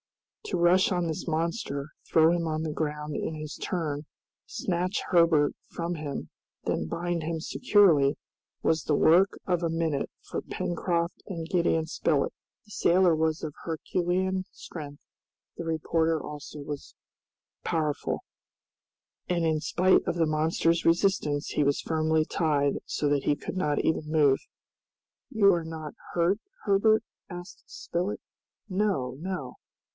To rush on this monster, throw him on the ground in his turn, snatch Herbert from him, then bind him securely, was the work of a minute for Pencroft and Gideon Spilett. The sailor was of Herculean strength, the reporter also very powerful, and in spite of the monster's resistance he was firmly tied so that he could not even move. "You are not hurt, Herbert?" asked Spilett. "No, no!"